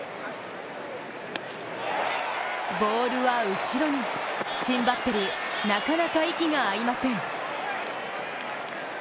ボールは後ろに、新バッテリーなかなか息が合いません。